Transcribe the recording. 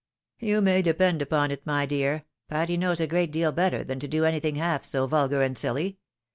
" You may depend upon it, my dear, Patty knows a great deal better than to do anything half so vulgar and silly.